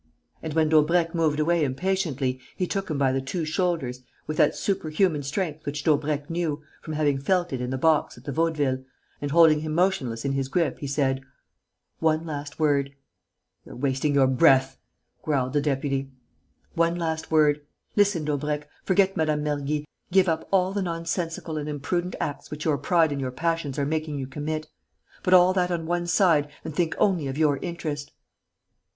And, when Daubrecq moved away impatiently, he took him by the two shoulders, with that superhuman strength which Daubrecq knew, from having felt it in the box at the Vaudeville, and, holding him motionless in his grip, he said: "One last word." "You're wasting your breath," growled the deputy. "One last word. Listen, Daubrecq: forget Mme. Mergy, give up all the nonsensical and imprudent acts which your pride and your passions are making you commit; put all that on one side and think only of your interest...."